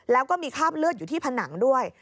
แล้วก็มีคราบเลือดอยู่ที่ผนังด้วย